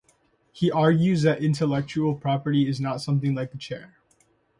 He argues that Intellectual property is not something like a chair.